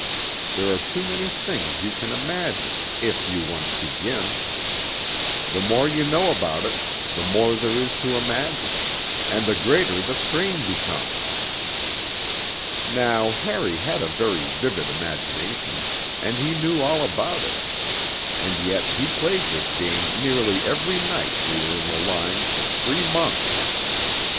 There are too many things you can imagine, if you once begin. The more you know about it, the more there is to imagine, and the greater the strain becomes. Now Harry had a very vivid imagination, and he knew all about it and yet he played this game nearly every night we were in the line for three months ...